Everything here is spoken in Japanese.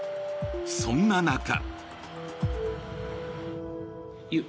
そんな中。